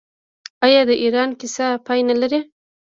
آیا د ایران کیسه پای نلري؟